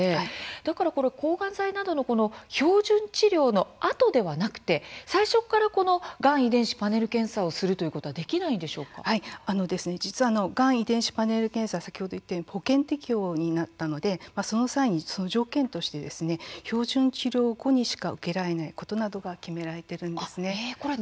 だから抗がん剤など標準治療のあとではなくて最初から、がん遺伝子パネル検査をするということはがん遺伝子パネル検査先ほど言ったように保険適用になったのでその際にその条件として標準治療後にしか受けられないことなどが決められているんです。